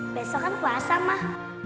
besok kan puasa mah